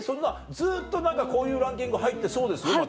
ずっと何かこういうランキング入ってそうですよ真木さん。